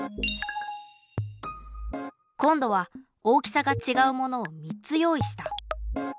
今度は大きさがちがうものを３つ用意した。